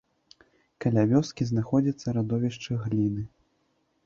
Каля вёскі знаходзіцца радовішча гліны.